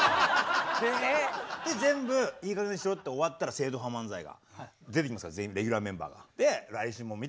で全部「いいかげんにしろ」って終わったら正統派漫才が出てきますから全員レギュラーメンバーが。